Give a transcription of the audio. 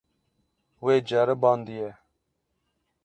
Wê ceribandiye.